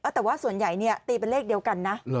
แต่ว่าส่วนใหญ่ตีเป็นเลขเดียวกันนะ